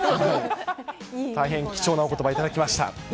大変貴重なおことば頂きました。